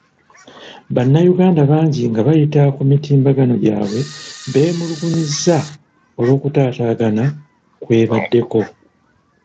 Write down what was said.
Bannayuganda bangi nga bayita ku mitimbagano gyabwe beemulugunyizza olw'okutaatagana kwe baddeko.